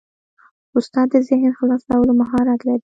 استاد د ذهن خلاصولو مهارت لري.